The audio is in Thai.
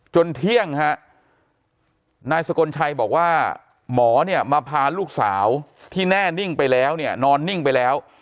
จนเที่ยงนายสกลชัยบอกว่าหมอมาพาลูกสาวที่แน่นิ่งไปแล้วนอนนิ่งไปแล้ว